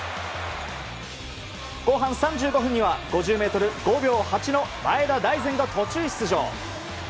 後半３５分には５０ｍ５秒８の前田大然が途中出場。